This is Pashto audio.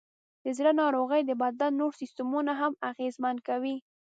د زړه ناروغۍ د بدن نور سیستمونه هم اغېزمن کوي.